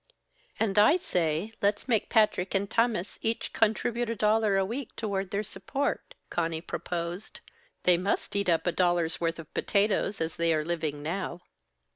"And I say, let's make Patrick and Tammas each contribute a dollar a week toward their support," Conny proposed. "They must eat up a dollar's worth of potatoes as they are living now."